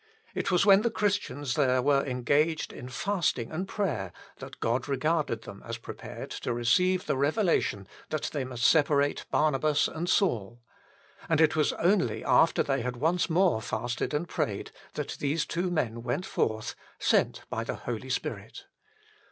It was when the Christians there were engaged in fasting and prayer that God regarded them as prepared to receive the revelation that they must separate Barnabas and Saul ; and it was only after they had once more fasted and prayed that these two men went forth, sent by the Holy Spirit.